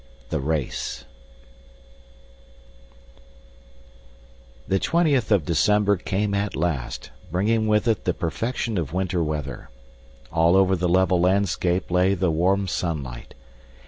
The Race The twentieth of December came at last, bringing with it the perfection of winter weather. All over the level landscape lay the warm sunlight.